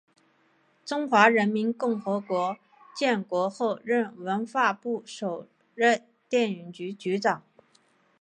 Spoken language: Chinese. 中华人民共和国建国后任文化部首任电影局局长。